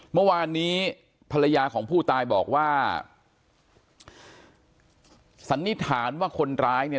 เมื่อวานนี้ภรรยาของผู้ตายบอกว่าสันนิษฐานว่าคนร้ายเนี่ย